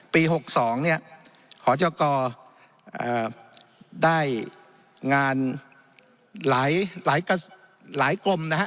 ปีหกสองเนี้ยขอเจ้ากอเอ่อได้งานหลายหลายกระหลายกลมนะฮะ